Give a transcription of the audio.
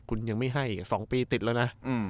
คุณยังไม่ให้๒ปีติดแล้วนะ